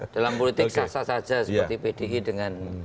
dalam politik sah sah saja seperti pdi dengan